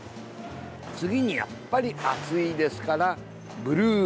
次にやっぱり暑いですからブルー。